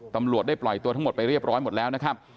ตำรวจได้ปล่อยตัวทั้งหมดไปเรียบร้อยหมดแล้วนะครับ